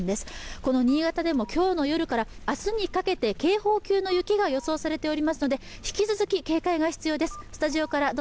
この新潟でも今日の夜から明日にかけて警報級の雪が予想されていますので、引き続き警戒が必要です。